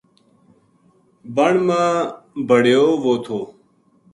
بن ما بَڑیو وو تھو